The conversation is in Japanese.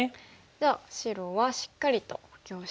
じゃあ白はしっかりと補強して。